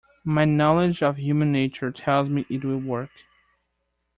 My knowledge of human nature tells me it will work.